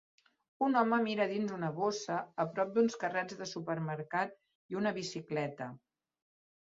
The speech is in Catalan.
Un home mira dins una bossa a prop d'uns carrets de supermercat i una bicicleta.